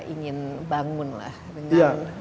ingin bangunlah dengan kereta api